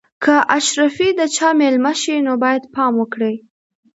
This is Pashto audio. که اشرافي د چا مېلمه شي نو باید پام وکړي.